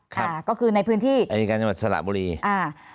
ค่ะก็คือในพื้นที่อายการจังหวัดสระบุรีอ่า